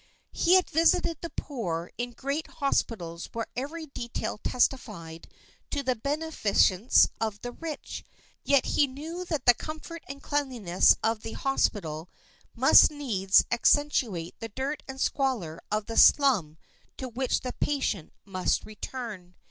He had visited the poor in great hospitals where every detail testified to the beneficence of the rich; yet he knew that the comfort and cleanliness of the hospital must needs accentuate the dirt and squalor of the slum to which the patient must return.